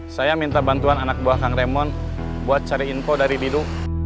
saya minta bantuan anak buah kang remon buat cari info dari didu